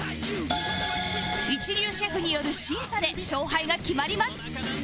一流シェフによる審査で勝敗が決まります